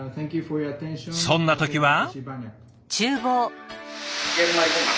そんな時は。